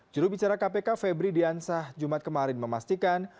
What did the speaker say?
juru bicara kpk febri diansah jumat kemarin memastikan